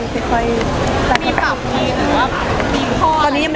มันก็ใช้เวลาเมื่อหน้า